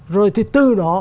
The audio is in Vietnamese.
rồi thì từ đó